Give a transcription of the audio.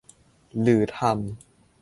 หรือทำ